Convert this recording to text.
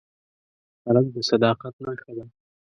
هلک د صداقت نښه ده.